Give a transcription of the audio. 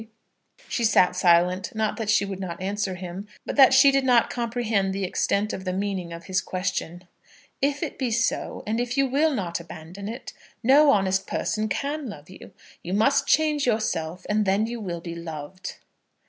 She sat silent, not that she would not answer him, but that she did not comprehend the extent of the meaning of his question. "If it be so, and if you will not abandon it, no honest person can love you. You must change yourself, and then you will be loved."